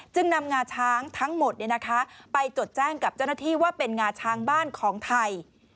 นำงาช้างทั้งหมดไปจดแจ้งกับเจ้าหน้าที่ว่าเป็นงาช้างบ้านของไทย